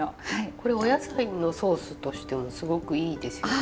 これお野菜のソースとしてもすごくいいですよね。